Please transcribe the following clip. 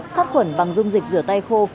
sát khuẩn bằng dung dịch rửa tay khô